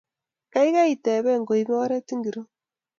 geigei itebee kuip oret ngiro